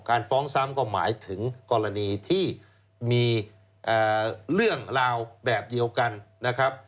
ฟ้องซ้ำก็หมายถึงกรณีที่มีเรื่องราวแบบเดียวกันนะครับ